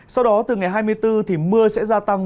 sau đó từ ngày hai mươi bốn thì mưa sẽ gia tăng